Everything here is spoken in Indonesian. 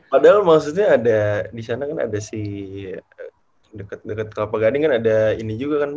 padahal maksudnya ada di sana kan ada si dekat dekat kelapa gading kan ada ini juga kan bu